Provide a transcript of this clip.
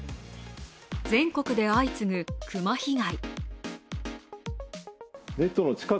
全国で相次ぐ熊被害。